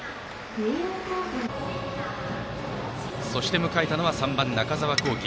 そして迎えたのは３番、中澤恒貴。